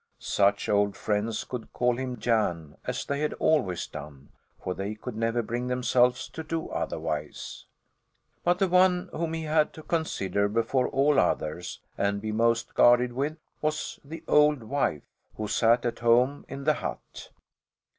Such old friends could call him Jan, as they had always done; for they could never bring themselves to do otherwise. But the one whom he had to consider before all others and be most guarded with was the old wife, who sat at home in the hut.